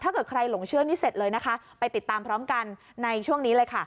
ถ้าเกิดใครหลงเชื่อนี่เสร็จเลยนะคะไปติดตามพร้อมกันในช่วงนี้เลยค่ะ